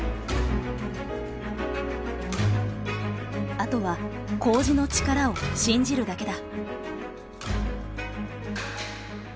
あとは麹の力を信じるだけだ。